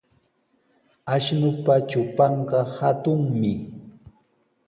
Ashnupa trupanqa hatunmi.